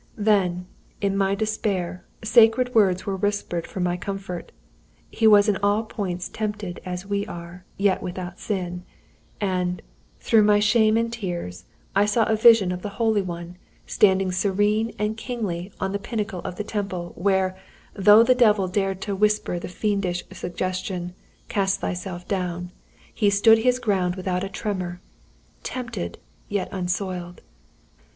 "Then, into my despair, sacred words were whispered for my comfort. 'He was in all points tempted, like as we are, yet without sin,' and, through my shame and tears, I saw a vision of the Holy One, standing serene and kingly on the pinnacle of the temple, where, though the devil dared to whisper the fiendish suggestion: 'Cast Thyself down,' He stood His ground without a tremor tempted, yet unsoiled.